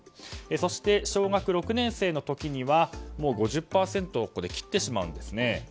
そして、小学６年生の時は５０％をここで切ってしまうんですね。